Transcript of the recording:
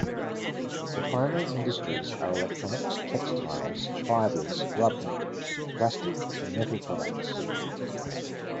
The primary industries are electronics, textiles, fibers, rubber, plastic and metal products.